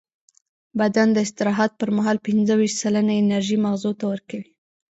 بدن د استراحت پر مهال پینځهویشت سلنه انرژي مغزو ته ورکوي.